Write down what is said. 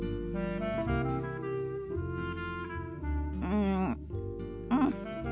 うんうん。